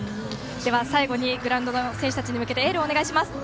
最後にグラウンドの選手へエールをお願いします。